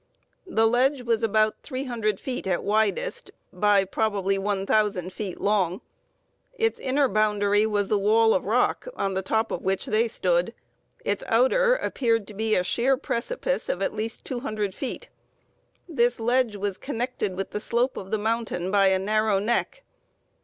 The ledge was about 300 feet at widest, by probably 1,000 feet long. Its inner boundary was the wall of rock on the top of which they stood; its outer appeared to be a sheer precipice of at least 200 feet. This ledge was connected with the slope of the mountain by a narrow neck.